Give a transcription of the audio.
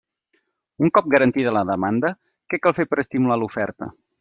Un cop garantida la demanda, què cal fer per estimular l'oferta?